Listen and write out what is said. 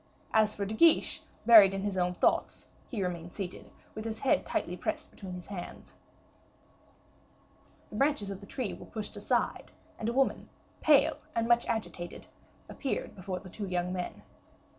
As for De Guiche, buried in his own thoughts, he remained seated, with his head tightly pressed between his hands. The branches of the tree were pushed aside, and a woman, pale and much agitated, appeared before the two young men.